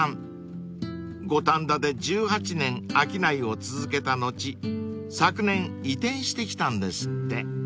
［五反田で１８年商いを続けた後昨年移転してきたんですって］